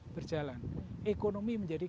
berjalan ekonomi menjadi